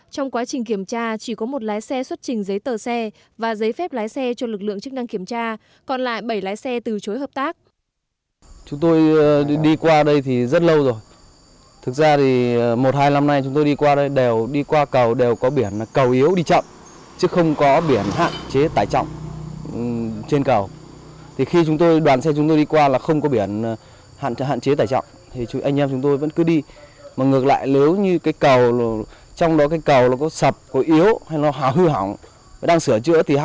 trong quá trình kiểm tra chỉ có một lái xe xuất trình giấy tờ xe và giấy phép lái xe cho lực lượng chức năng kiểm tra còn lại bảy lái xe từ chối hợp tác